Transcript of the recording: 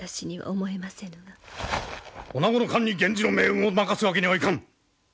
女子の勘に源氏の命運を任すわけにはいかぬ！